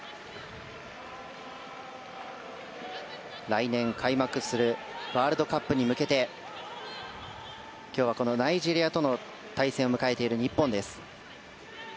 来年開幕するワールドカップに向けて今日はナイジェリアとの対戦を迎えている日本です。